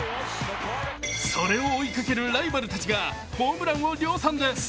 それを追いかけるライバルたちがホームランを量産です。